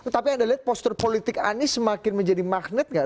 tapi anda lihat postur politik anies semakin menjadi magnet gak